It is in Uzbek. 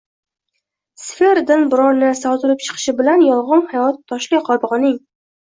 sfera” dan biron narsa otilib chiqishi bilan, “yolg‘on hayot” toshli qobig‘ining